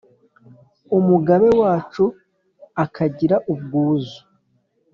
Umugabe wacu akagira ubwuzu